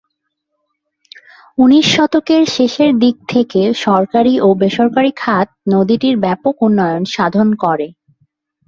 উনিশ শতকের শেষের দিক থেকে সরকারী ও বেসরকারী খাত নদীটির ব্যাপক উন্নয়ন সাধন করে।